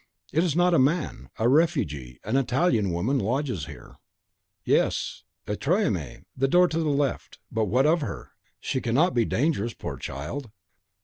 "It is not a man; a refugee, an Italian woman, lodges here." "Yes, au troisieme, the door to the left. But what of her? she cannot be dangerous, poor child!"